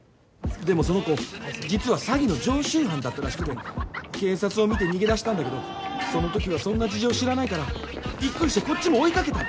でもその子実は詐欺の常習犯だったらしくて警察を見て逃げ出したんだけどその時はそんな事情知らないからびっくりしてこっちも追いかけたの。